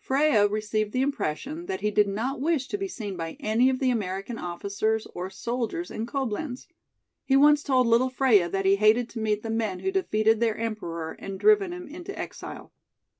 Freia received the impression that he did not wish to be seen by any of the American officers or soldiers in Coblenz. He once told little Freia that he hated to meet the men who had defeated their Emperor and driven him into exile."